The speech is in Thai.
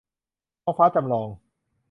ท้องฟ้าจำลอง